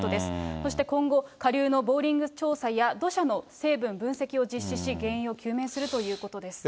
そして今後、下流のボーリング調査や、土砂の成分分析を実施し、原因を究明するということです。